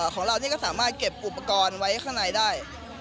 ของเรานี่ก็สามารถเก็บอุปกรณ์ไว้ข้างในได้